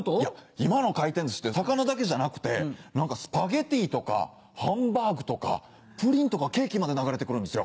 今の回転寿司って魚だけじゃなくてスパゲティとかハンバーグとかプリンとかケーキまで流れて来るんですよ。